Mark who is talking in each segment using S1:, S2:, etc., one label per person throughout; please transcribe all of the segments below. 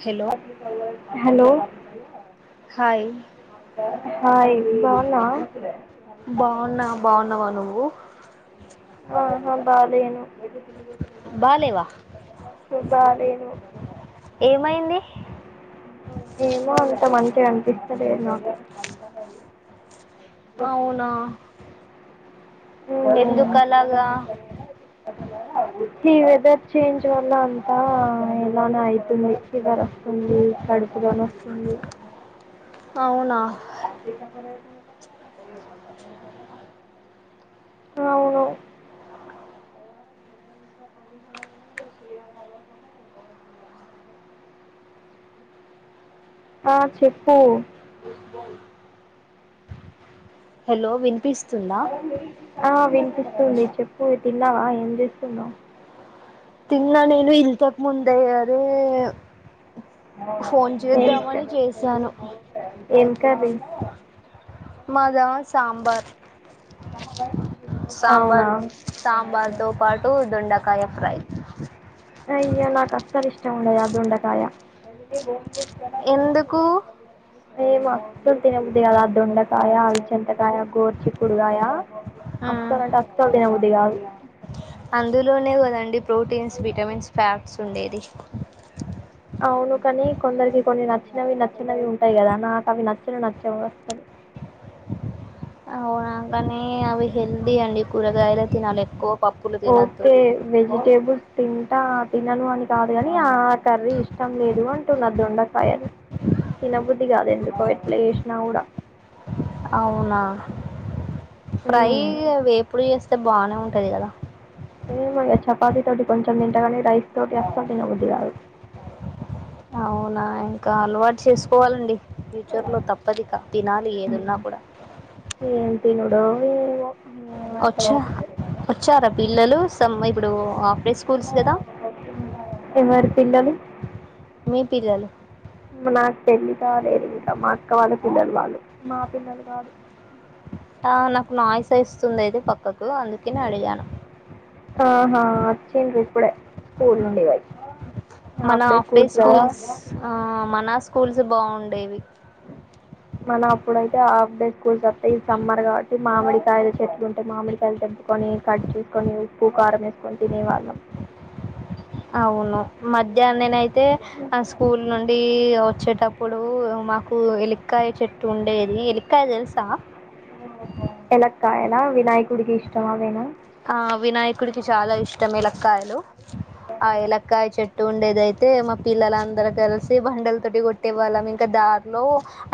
S1: Hello
S2: అక hello
S1: hi
S2: అంట ఇ
S1: బాగున్నా బాగున్నావా నువ్వు
S2: సనాహా బాదను ఏది
S1: బాలేవా
S2: బా
S1: ఏమైంది
S2: నేనుేమో అంత మంచి అనిపిస్తదే అంతాడి
S1: అవునా ఎందు కలాగా
S2: ఈ వెదర్ చేంజ్ వల్ల అంతా ఎలానే అవుతుంది ఫదర్ వస్తుంది కడుపుగాని వస్తుంది
S1: అవునా
S2: అబ అవున ఆ చెప్పు
S1: హలో విన్పిస్
S2: ఆ వి పిస్తుంది చెప్పు తిన్నావా ఏం చేస్తున్నావు
S1: తిన్నాన్నానేను ఇల్తక్ ముందే్యరే
S2: ఏ
S1: చేశాను
S2: కానీ
S1: మద సాబార్
S2: అవునా
S1: సాంబార్ సాంబార్తో పాటు దొండకాయ ఫ్రై
S2: అ ఇ్యలా కస్సలు ఇష్టము ఉండ అద్దండకాయ అ
S1: ఎందుకు
S2: ఏ మస్తుం తినబద అద దొండకాయ అవి చెంతకాయ గోర్చు కుడుగాయ
S1: మ్మ్.
S2: అస్తలు అంటే అస్తలు దిన అ కాదు
S1: అందులోనే కదండి ప్రోటీన్స్ విటమిన్స్ ఫ్యాట్స్ ఉండేది
S2: అవును కానీ కొందరికి కొన్ని నచ్చినవి నచ్చినవి ఉంటాయి కదా నాకు అవి నచ్చిన నచ్చవి వస్తుంది
S1: అవునా కానే అవి హెల్దీ అండి కూరగాయలు తినాలి ఎక్కువ పప్పులు తినొద్దు
S2: ఓకే వెజిటేబల్స్ తింటా తినను అని కాదు కాని ఆ కర్రీ ఇష్టం లేదు అంటున్న దొండకాయలు తినబుద్ది కాదు ఎందుకో ఎట్లా చేసినా కూడా
S1: అవునా ఫ్రై
S2: ఉమ్
S1: వేపుడు చేస్త తె బానే ఉంటది కదా
S2: ఏమానె చపాతి తోటి కొంచెం తింటగానే రైస్ తోటి అస్సల్ తినబుద్ది కాదు.
S1: అవునా ఇంక అలవాటు చేసుకోవాలండి. ఫ్యూచర్లో తప్పదిక తినాలి ఏదున్నా కూడా
S2: ఏం తినుడో ఏమో ఏం అర్థం
S1: వచ్చా
S2: అవుతలేదు
S1: వచ్చారా పిల్లలు తమ్మ ఇప్పుడు ఆఫ్
S2: తిన్నారా లేదా మరి [unintelligible] తిన్నారు పిల్లలు
S1: మీ పిల్లలు
S2: నాకు పెళ్ళి కాలేదు ఇంకా మా అక్క వాళ్ళ పిల్లలు వాళ్ళు, మా పిల్లలు కాదు.
S1: ఆ నాకు నాయిస్ ఏస్తుంది ఏదో పక్క కు అందుకని అడిగాను
S2: ఆహా అచ్చిండ్రు ఇప్పుడె స్కూల్ నుండి బయి
S1: మన ఆఫ్ డే స్కూల్స్ ఆ మన స్ స్కూల్స్ బాగుండేవి
S2: మనం అప్పుడయితే హాఫ్ డే స్కూల్స్ వత్తాయి. ఈ సమ్మర్ కాబట్టి మామిడికాయలు చెట్కుంటే మామిడికాయలు తెంపుకొని కట్ చేసుకొని ఉప్పు కారం వేసుకొని తినే వాళ్ళం.
S1: అవును మధ్యాహ్న నేనయి తే ఆ స్కూల్ నుండి వచ్చే ట ప్పుడు మాకు ఎలికాయ చెట్టు ఉండేది ఎలికాయ తెలుసా
S2: ఎలక్కయన వినాయకుడికి ఇష్టం అవేణ
S1: ఆ వినాయకుడికి చాలా ఇష్టం ఎలక్కయలు ఆ ఎలక్కాయ చెట్ టుండేది అయితే మా పిల్లలందరు కలిసి బండల తోటి కొట్టే వాళ్ళం, ఇంకా దారిలో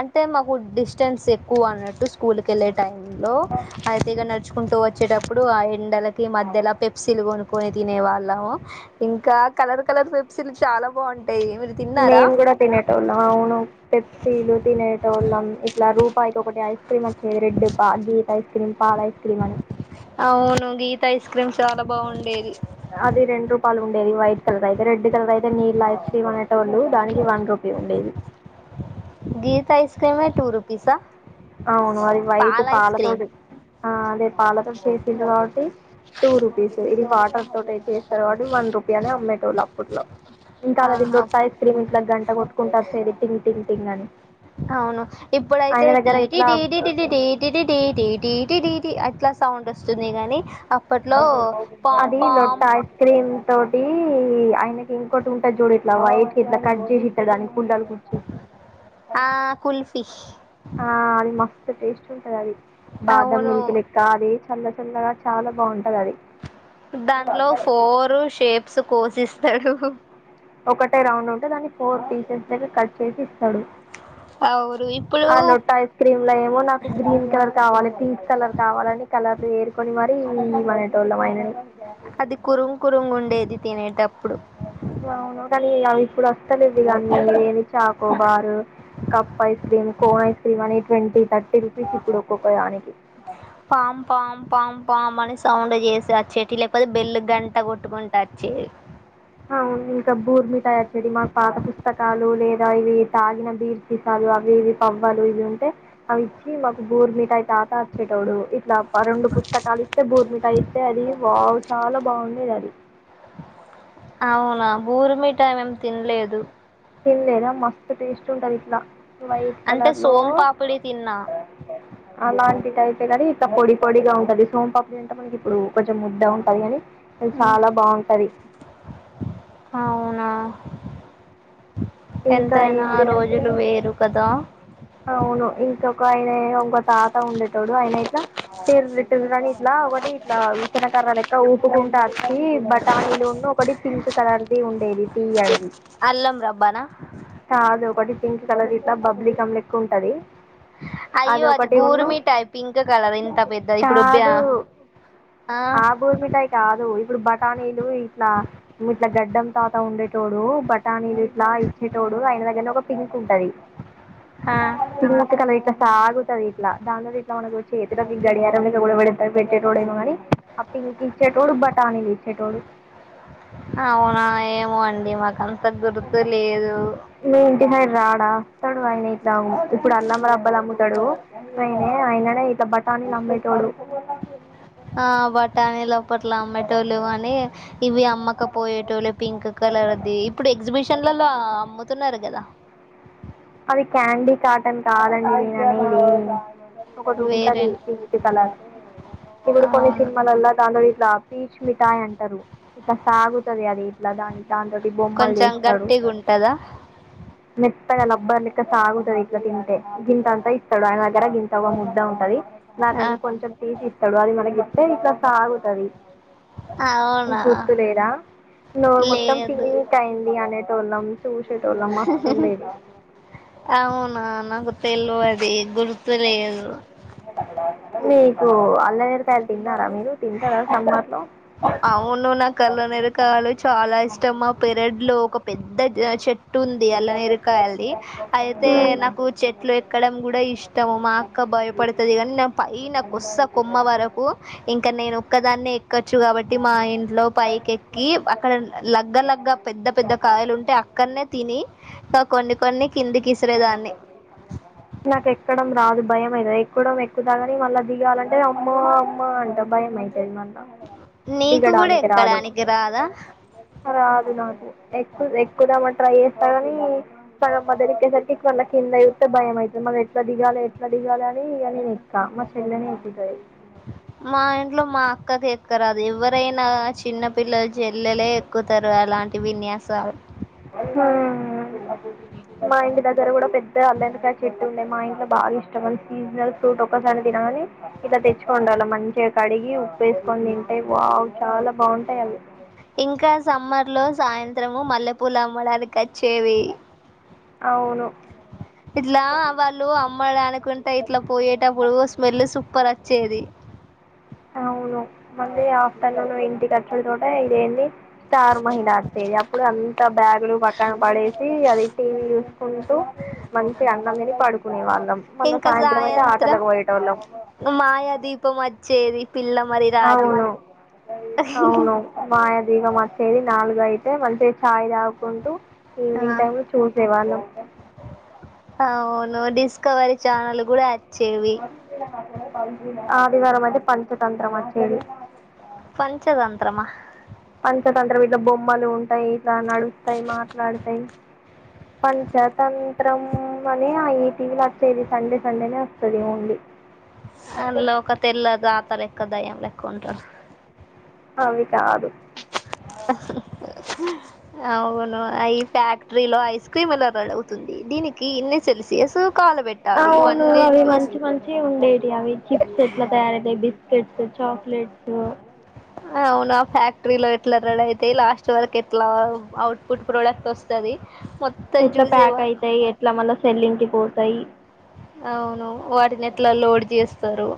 S1: అంటే మాకు డిస్టెన్స్ ఎక్కువ అన్నట్టు స్కూల్కు ఎళ్ళే టైం లో అయితే ఇగ నడుచు కుంటూ వచ్చేటప్పుడు ఆయే ఎండలకి మధ్యల పెప్సీలు కొనుక్కోని తినే వాళ్ళము. ఇంకా కలర్ కలర్ పెప్సీలు చాలా బాగుంట
S2: మేము కూడా తినేటోళ్ళం, అవును పెప్సీలు తినేటోళ్ళం ఇట్లా రూపాయికి ఒకటి ఐస్ ఐస్ క్రీమ్ వచ్చేది రెడ్ పా గీత ఐస్ క్రీమ్ పాల ఐస్ క్రీమ్ అని
S1: అవును గీత ఐస్ క్రీమ్ చాలా బాగుండేది.
S2: అది రెండు రూపాయలు ఉండేది వైట్ కలర్ అయితే, రెడ్ కలర్ అయితే నీళ్ళ ఐస్ క్రీమ్ అనేటోళ్లు దానికి వన్ రూపీ ఉండేది.
S1: గీత ఐస్ క్రీమే టూరూపీసా?
S2: అవును అది వైట్ పాలతోడు అదే పాలతోడు చేసిండ్రు కాబట్టి టూ రూపీస్ ఇది వా టర్ తోటయితే తర్వాడు వన్ రూపి అనే అమ్మేటోళ్ అప్పట్లో ఇంకా అది
S1: ఆహా
S2: లొట్ట ఐస్ క్రీమ్ ఇట్లా గంట కొట్టుకుంట వచ్చేది టింగ్ టింగ్ తిన్నది
S1: అవును ఇప్పుడైతే
S2: ఇట్లా
S1: టీటిట్ టీటిటిటిటీ టిటిటీ టీ టీ టిటీ టి అట్లా సౌండ్ వస్తుంది గని
S2: అదీ లొట్ట ఐస్ క్రీమ్ తోటీ ఆయనకి ఇంకోటి ఉంటది చూడు ఇట్లా వైట్ ఇట్లా కట్జేసీ ఇత్తరు దాన్ని కుండాలు గుచ్చి
S1: ఆ కుల్ఫీ
S2: ఆ అది మస్త్ టె టేస్ట్ ఉంటది అది బాదమ్
S1: అవును
S2: మిల్క్ లెక్క అది చల్ల చల్లగా చాలా బావుంది
S1: దాంట్లో ఫోరు షేప్ సో కోసి ఇస్తడు
S2: ఒకటే రౌండ్ ఉంటే దాన్ని ఫోర్ పీసెస్ దగ్గర కట్ చేసి ఇస్
S1: అవును ఇప్పుడు
S2: ఆ లొట్ట ఐస్ క్రీమ్ లో ఏమో నాకు గ్రీన్ కలర్ కావాలి పీ కలర్ కావాలని కలర్ వేసుకొని మరీ ఈయ మనటోళ్ళం ఆయనని
S1: అది కురుంగ్ కురుంగ్ ఉండేది తినేటప్పుడు
S2: అవును కానీ అవి ఇప్పుడు వస్తలేవు అన్నీ ఏ choco bar cup ice cream cone ice cream అనీ ట్వంటీ థర్టీ రూపీస్ ఇప్పుడు ఒక్కొక్క దానికి
S1: పామ్ పామ్ పామ్ పామ్ అని సౌండ్ చేసారు చెటి లేబల్ బెల్లు గంట కొట్టుకుంట అచ్చేది
S2: అవును ఇంకా బూర్మిఠాయి అచ్చేది మాకు పాత పుస్తకాలు లేదా ఇవి తాగిన బీర్సీసాలు అవి ఇవి పబ్బాలు ఇవి ఉంటే అవి ఇచ్చి మాకు బూర్మిఠాయి తాత అచ్చేటోడు ఇప్ ఇలా రెండు పుస్తకాలు ఇస్తే బూర్మిట అంటే అది వాాగు చాలా బాగుండది అది
S1: అవునా భూరిమిటామం తినలేదు
S2: తినలేదా మస్తు టేస్ట్ ఉంటది ఇట్లా వైట్
S1: అంటే
S2: కలర్ లో
S1: సోంపాపిడి తిన్నా
S2: అలాంటిది అయితే కనీ పొడి పొడిగా ఉంటుంది సోమ్ పప్పుడి అంటే మనకి ఇప్పుడు కొంచెం ముద్ద ఉంటంది కాని అ చాలా బాగుంటది
S1: అవునా ఎంతైనా రోజులు
S2: ఏంటిదంటే
S1: వేరు కదా
S2: కా అనే ఉంగటా ఉండేటోడు అయిన ఇట్లా తర కాని ఇట్లా ఒకటి ఇట్లా విచన కర లెక్క ఊపుకుంట వచ్చి బటానీలు ఉండి ఒకటి పింక్ కలర్దిి ఉండేది టీ అనేది
S1: అల్లం రబ్ బన
S2: ఒకటి పింక్ కలర్ ఇట్లా బబ్లి కం ఎక్కువ ఉంటది
S1: అయ్యో అది
S2: ఒకటి ఉన్ను
S1: బూర్మి టై పింక్ కలర్ ఇంత పెద్దది ఇప్పుడుబ
S2: కాదు
S1: ఆ
S2: బూరిమిఠాయి కాదు ఇప్పుడు బటానీలు ఇట్లా ఇట్ల గడ్డం తాత ఉండేటోడు బఠానీలు లా ఇచ్చేటోడు ఆయన దగ్గర ఒక పింక్ ఉంటది
S1: ఆ
S2: నిన్నక కలయితే తాగుతుది ఇట్లా దానిలో ఇట్లా మనకి చేతిలోకి గడియారం కూడా పెడతారు పెట్టేటోడు ఏేమో కాని ఆ పింక్ ఇచ్చేటోడు బటానీలు ఇచ్చేటోడు
S1: అవునా ఏమో అండి అది మాకు అంత గుర్తు లేదు
S2: స్తాడు ఆయన ఇట్లా ఇప్పుడు అల్లమ్మర అబ్బలు అమ్ముతాడు ఆయనే ఆయననే ఇలా బఠానీని నమ్మేతాడు
S1: ఆ బటాని ఎలా ప్పట్లా అమెటోలు అని ఇవి అమ్మక పోయేటోళ్ళ పింక్ కలర్ది ఇప్పుడు ఎగ్జిబిషన్లలో అమ్ముతున్నారు కదా
S2: అది క్యాండీ కాటన్ కావాలండి నేని ఒకటి
S1: వేరే
S2: ఉంటది పింక్ కలర్ ఇప్పుడు కొన్ని
S1: అవును
S2: సినిమాలల దాంట్లో ఇట్లా పీచ్ మిఠాయి్ అంటారు ఇక సాగుతుది అది ఎట్లా దానికి దాంతోటి బొమ్మలు
S1: కొంచెం
S2: చేస్తాడు
S1: గట్టిగా ఉంటుందా
S2: నెట్ ప బ్బర్ క సాగుతుది ఇట్లా తింటే గింత అంతా ఇస్తాడు ఆయన దగ్గర గింత ముద్ద ఉంటది
S1: ఆ,
S2: నాలు కొంచెం తీజ చెడు అది మన ఎప్పే ఇట్లా సాగుతుది
S1: అవునా
S2: గుర్తు లేదా నోరు మొత్తం
S1: లేదు
S2: పిట్ అయింది అనే లం చూచిటల మస్తుండే
S1: అవునా నా గుత్త ఎల్లో అదే గుర్తులేదు
S2: మీకు అల్లనేరేడుకాయలు తిన్నారా మీరు తింటారా సమ్మర్లో
S1: అవును నా కళ్ళనేరకాలు చాలా ఇష్టం మా పీరియడ్ లో ఒక పెద్ద చెట్ ట్టు ఉంది అలా న ఎరుకాయాలది అయితే
S2: మ్మ్.
S1: నాకు చెట్లు ఎక్కడం కూడా ఇష్టము మా అక్క భయపడుతుంది కానీ నేను పైన కొస కొమ్మ వరకు ఇంకా నేను దాన్ని ఎక్కొచ్చు కాబట్టి మా ఇంట్లో పైకి ఎక్కి అక్కడ లగ్గ లగ్గ పెద్ద పెద్ద కాయలు ఉంటే అక్కడనే తి కొన్ని కొన్ని కిందికి ఇసిరేదాన్ని
S2: నాకు ఎక్కడం రాదు భయం అవుతు ఎక్కువడం ఎక్కు తాగానీ మళ్ళ దిగాలంటే అమ్మ అమ్మ అంట భయం అయి
S1: నీకు కూడా
S2: రాదు
S1: ఎక్కడానికి రాదా
S2: రాదు ఎక్కు ఎక్కుదామ ట్రై కానీ సగమద ఎక్కేసరికి ఇవళ కిందయిస్తే భయం అవుతుంది మన ఎట్లా దిగాలి ఎట్లా దిగాలి అని ఇ నేను ఎక్క మా చెైలనె ఎక్కుతది
S1: మా ఇంట్లో మా అక్కకి ఎక్కరాదు ఎవరైనా చిన్న పిల్లలు చెల్లెలే ఎక్కుతారు అలాంటి విన్యాసాలు
S2: మా ఇంటి దగ్గర కూడా పెద్ద అల్లందుకా చెట్టు ఉండే మా ఇంట్లో బాగా ఇష్టం సీజనల్ ఫ్రూట్ ఒకసారి తినగాని ఇలా తెచ్చుకోనేటోళ్ళం మంచిగా కడిగి ఉప్పు వేసుకొని తింటే వావ్ చాలా బాగుంటాయి అ
S1: ఇంకా సమ్మర్ లో సాయంత్రం త్రము మల్ల పూల అమ్మాడాకా వచ్చేవి
S2: అవును.
S1: ఇట్లా వాళ్ళు అమ్మడు అనుకుంటే ఇట్లా పోయేటప్పుడు స్మెల్ సూపర్ వ చేది
S2: అవును మళ్ళీ ఆఫ్టర్నూన్ ఇంటికిచ్చల తోట ఇదేంది స్టార్ మహిళ వచ్చేది అప్పుడు అంత బ్యాగులు పక్కన పడేసి అది టీవీ చూసుకుంటూ మంచి అన్నం తిని పడుకునే వాళ్ళు
S1: ఇంకా సాయంత్రం మాయా దీపం వచ్చేది పిల్ల మరి రాజు
S2: అవును అవును మాయ దీపం చేది నాలుగు అయితే మంచిగా చాయ్ తాగుకుంటూ
S1: ఆ
S2: ఈవినింగ్ టైమ్ లో చూసేవాళే
S1: అవును డిస్కవరి చాల్ కూడా వచ్చేవి
S2: వ కా ప ఆదివారం అయితే పంచాతంత్రం వచ్చేది
S1: పంచతంత్రమా
S2: పంచతంత్రం ఇట్లా బొమ్మలు ఉంటాయి ఇట్లా నడుస్తాయి మాట్లాడుతాయి పంచతంత్రం అనే అటీవీలు వచ్చేది సండే సండేనే వస్తుది ఓన్లీ
S1: అందులో ఒక తెల్లదు అ త ఎకా దా ఎ కౌంటారు
S2: అ వి చదు
S1: అవును ఈ ఫ్యాక్టరీలో ఐస్ క్రీములు కాదా అవుతుంది దీనికి ఇన్ని తెలిసి సో
S2: అవును అవి మంచి మంచి ఉండేటి అవి చిప్స్ ఎట్లా తయారవుతాయి బిస్ పెద్ద చాక్లెట్స్
S1: అవునా ఫ్యాక్ట్రీలో ఎట్ల రెడీ అయితయ లాస్ట్ వరకు ఎట్లా అట్లా అఔ ఫుట్ ప్రోడక్ట్ వస్తుంది
S2: ఎట్లా ప్యాక్ అయితాయి ఎట్లా మన సెల్లింగ్ పోతాయి
S1: అవును వాటిని ఎట్లా లోడ్ చేస్తారు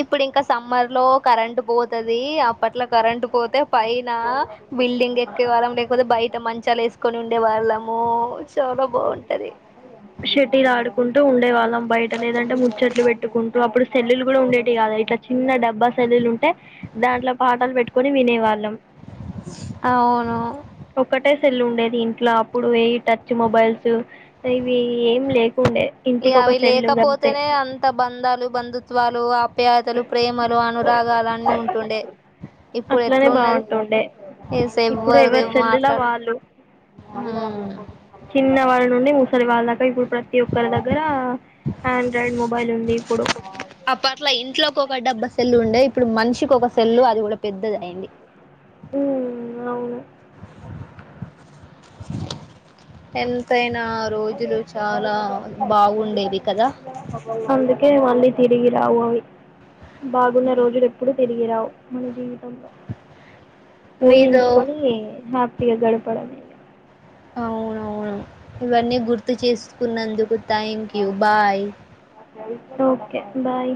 S1: ఇప్పుడు ఇంకా సమ్మర్ లో కరెంటు పోతది అఅప్పట్లో కరెంట్ పోతే పైన బిల్డింగ్ ఎక్కువవారం లేకపోతే బయట మంచాలు వేసుకు కొని ఉండే వాళ్లము చాల బాగుంటది
S2: కుంటూ ఉండేవాళ్ళం బయట లేదంటే ముచ్చట్లు పెట్టుకుంటూ అప్పుడు సెల్లలు కూడా ఉండేవి కదా ఇట్లా చిన్న డబ్బా సెల్లు ఉంటే దాంట్లో పాటాలు పెట్టుకొని వినేవాళ్ళం
S1: అవును
S2: ఒక్కటే సెల్లు ఉండేది ఇంట్లో అప్పుడు వెయి టచ్ మొబైల్స్ ఇవి ఏం లే, కు
S1: ఇ అవి లేకపోతేనే అంత బంధాలు బంధుత్వాలు ఆప్యా ఇలు ప్రేమలు అనురాగాలు అన్నిఖ ఉంటుండే ఇప్పుడు
S2: అట్లనే
S1: ఎట్లు ఉన్నది
S2: బాగుంటుండే
S1: ఈస
S2: ఇప్పుడు
S1: ఎవ్వరు ఎ
S2: ఎవరి సెల్లుల
S1: మాట్లాడ
S2: వాళ్ళు ముసలివాళ్ళ దాకా ఇప్పుడు ప్రతి ఒక్కరి దగ్గర ఆండ్రాయిడ్ మొబైల్ ఉంది ఇప్పుడు
S1: ఆ పట్ల ఇంట్లోకి ఒక డబ్బ సెల్లు ఉండే ఇప్పుడు మనిషికి ఒక సెల్లు అది కూడా పెద్దది అయిడి
S2: ఉమ్ అవును
S1: ఎంతై నా రోజులు చాలా బాగుండేది కదా
S2: అందుకే మళ్ళీ తిరిగి రావు అవి బాగున్న రోజులు ఎప్పుడు తిరిగి రావు మన జీవితంలో
S1: మీతో
S2: ఊహించుకొని హ్యాపీ టి గడపడమ
S1: అవునవును ఇవన్నీ గుర్తు చేసుకున్నందుకు thank you bye
S2: okay bye